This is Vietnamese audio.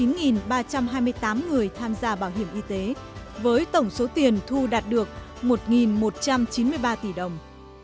một tám trăm linh chín ba trăm hai mươi tám người tham gia bảo hiểm y tế với tổng số tiền thu đạt được một một trăm chín mươi ba tỷ đồng